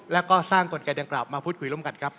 แล้วก็สร้างกลไกดังกล่าวมาพูดคุยร่วมกันครับ